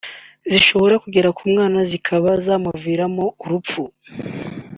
zishobora kugera ku mwana zikaba zanamuviramo urupfu